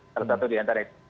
salah satu diantaranya